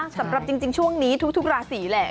สำหรับจริงช่วงนี้ทุกราศีแหละ